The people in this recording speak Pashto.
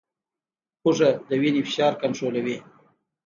هوږه د وینې فشار کنټرولوي